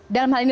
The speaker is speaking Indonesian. dalam hal ini